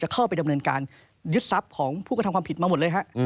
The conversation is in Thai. เข้าไปดำเนินการยึดทรัพย์ของผู้กระทำความผิดมาหมดเลยฮะ